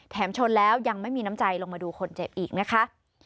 ชนแล้วยังไม่มีน้ำใจลงมาดูคนเจ็บอีกนะคะ